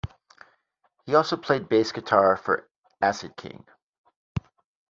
He also played bass guitar for Acid King.